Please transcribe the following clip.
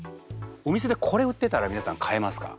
お店でこれ売ってたら皆さん買えますか？